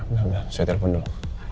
udah udah saya telepon dulu